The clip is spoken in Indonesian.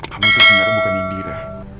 kamu itu sebenernya bukan indira